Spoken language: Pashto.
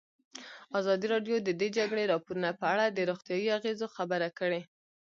ازادي راډیو د د جګړې راپورونه په اړه د روغتیایي اغېزو خبره کړې.